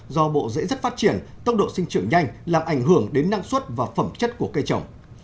do bộ dễ rất phát triển tốc độ sinh trưởng nhanh làm ảnh hưởng đến năng suất và phẩm chất của cây trồng